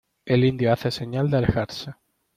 el indio hace señal de alejarse: